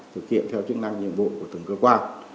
thực hiện theo chức năng nhiệm vụ của từng cơ quan